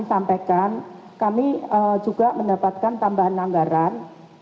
sampaikan kami juga mendapatkan tambahan anggaran